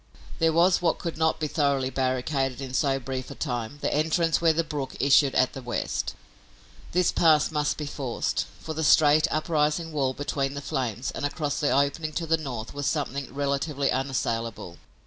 There was what could not be thoroughly barricaded in so brief a time, the entrance where the brook issued at the west. This pass must be forced, for the straight, uprising wall between the flames and across the opening to the north was something relatively unassailable.